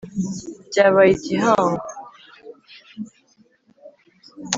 Byabaye igihango